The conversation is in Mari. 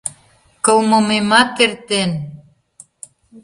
Кылмымемат эртен.